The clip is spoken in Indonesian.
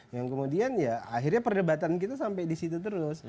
yang kemudian ya akhirnya perdebatan kita sampai di situ terus